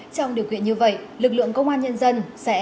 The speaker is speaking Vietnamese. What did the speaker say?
trong điều kiện như vậy lực lượng công an nhân dân sẽ